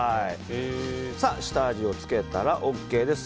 下味をつけたらＯＫです。